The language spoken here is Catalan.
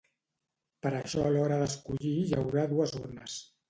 Per això a l’hora d’escollir hi haurà dues urnes.